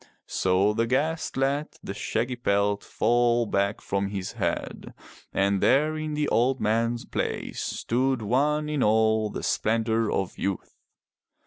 So the guest let the shaggy pelt fall back from his head, and there in the old man's place stood one in all the splendor of youth.